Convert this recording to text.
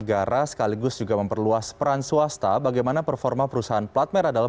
negara sekaligus juga memperluas peran swasta bagaimana performa perusahaan plat merah dalam